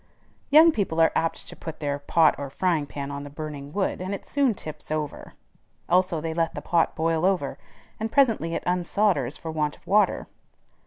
Young people are apt to put their pot or frying pan on the burning wood, and it soon tips over. Also they let the pot boil over, and presently it unsolders for want of water.